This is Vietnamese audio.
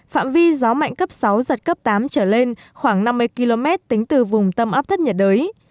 phạm vi gió mạnh cấp sáu giật cấp tám khoảng năm mươi km tính từ tâm áp thấp nhiệt đới